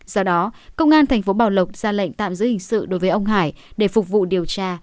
do đó công an thành phố bảo lộc ra lệnh tạm giữ hình sự đối với ông hải để phục vụ điều tra